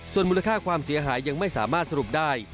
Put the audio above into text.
ส่วนมูลค่าความเสียหายยังไม่สามารถสรุปได้